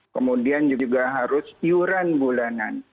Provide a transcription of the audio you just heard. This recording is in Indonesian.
kemudian juga harus iuran bulanan